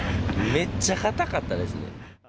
めっちゃ硬かったですね。